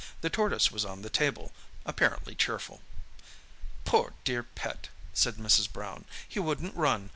The tortoise was on the table, apparently cheerful. "Poor dear pet!" said Mrs. Brown. "He wouldn't run.